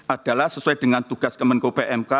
adalah sesuai dengan tugas kemenko pmk